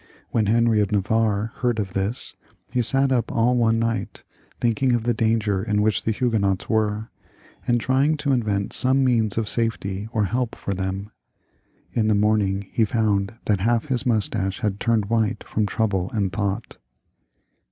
When Henry of Navarre heard of this, he sat up aU one night, thinking of the danger in which the Huguenots were, and trjring to invent some means of safety or help for them. In the morning he found that half his moustache had turned white from trouble and thought.